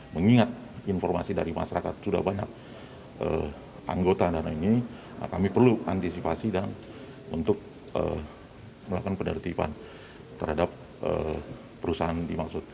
mengingat informasi dari masyarakat sudah banyak anggota dana ini kami perlu antisipasi untuk melakukan penertiban terhadap perusahaan dimaksud